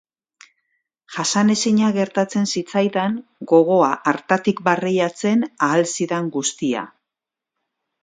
Jasanezin gertatzen zitzaidan gogoa hartatik barreiatzen ahal zidan guztia.